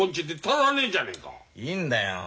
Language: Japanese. いいんだよ